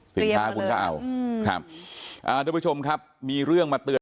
สินค้าคุณก็เอาครับอ่าทุกผู้ชมครับมีเรื่องมาเตือน